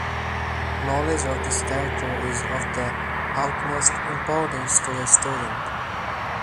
Knowledge of this character is of the utmost importance to the student.